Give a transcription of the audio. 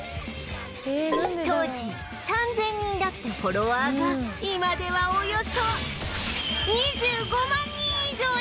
当時３０００人だったフォロワーが今ではおよそ